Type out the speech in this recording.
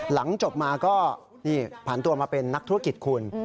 หลังจบมาก็นี่ผ่านตัวมาเป็นนักธุรกิจคุณ